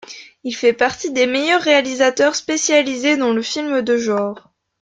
Il fait partie des meilleurs réalisateurs spécialisés dans le film de genre.